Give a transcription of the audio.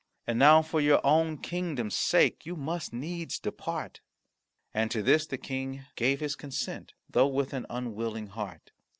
And now for your own kingdom's sake, you must needs depart." And to this the King gave his consent, though with an unwilling heart.